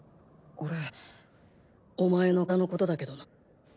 ボルトお前の体のことだけどな。